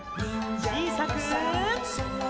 ちいさく。